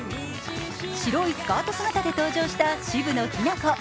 白いスカート姿で登場した渋野日向子。